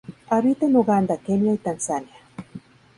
Habita en Uganda, Kenia y Tanzania.